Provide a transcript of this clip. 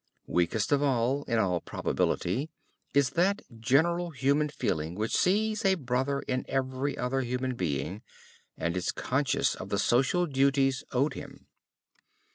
Weakest of all, in all probability, is that general human feeling which sees a brother in every other human being and is conscious of the social duties owed him.